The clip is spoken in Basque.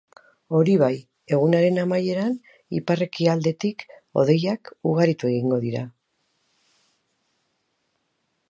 Hori bai, egunaren amaieran ipar-ekialdetik hodeiak ugaritu egingo dira.